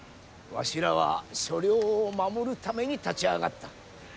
わしらは所領を守るために立ち上がった。